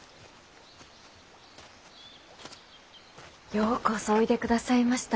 ようこそおいでくださいました。